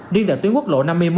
điện tải tuyến quốc lộ này